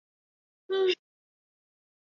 而钏网线及网走本线亦正式编入网走本线。